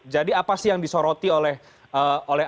jadi apa sih yang disoroti oleh